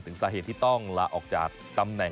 สาเหตุที่ต้องลาออกจากตำแหน่ง